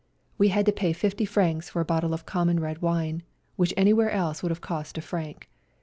We had to pay 50 francs for a bottle of common red wine, which any where else would have cost a franc.